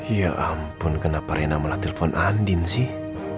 ya ampun kenapa reina malah telepon andin sih